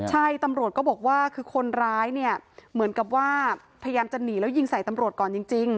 ใช่ตำรวจก็บอกว่าคือคนร้ายเนี่ยเหมือนกับว่าพยายามจะหนีแล้วยิงใส่ตำรวจก่อนจริง